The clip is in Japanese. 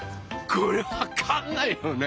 これわかんないよね？